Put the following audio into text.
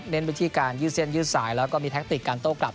เน้นไปที่การยืดเส้นยืดสายแล้วก็มีแทคติกการโต๊ะกลับ